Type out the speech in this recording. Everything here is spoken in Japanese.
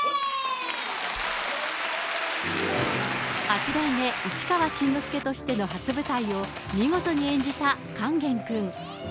八代目市川新之助としての初舞台を、見事に演じた勸玄君。